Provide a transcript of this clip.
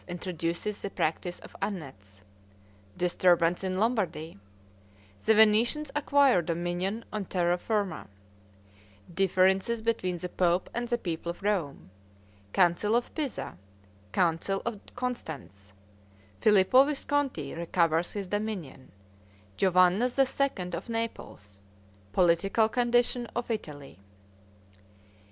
introduces the practice of Annates Disturbance in Lombardy The Venetians acquire dominion on terra firma Differences between the pope and the people of Rome Council of Pisa Council of Constance Filippo Visconti recovers his dominion Giovanna II. of Naples Political condition of Italy.